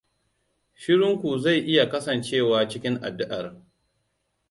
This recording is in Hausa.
Shirunku zai iya kasancewa cikin addu'ar.